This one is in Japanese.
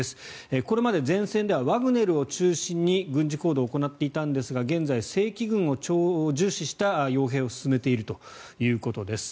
これまで前線ではワグネルを中心に軍事行動を行っていたんですが現在、正規軍を重視した用兵を進めているということです。